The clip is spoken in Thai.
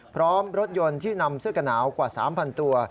พร้อมรถยนต์ที่นำเสื้อกระหนาวกว่า๓๐๐ตัว